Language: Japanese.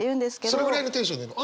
それぐらいのテンションで言うの？